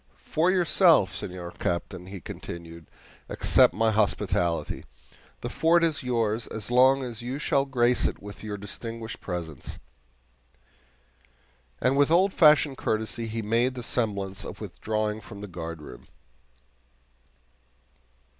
"For yourself, Senor Captain," he continued, "accept my hospitality. The fort is yours as long as you shall grace it with your distinguished presence"; and with old fashioned courtesy, he made the semblance of withdrawing from the guardroom.